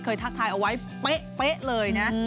ทักทายเอาไว้เป๊ะเลยนะ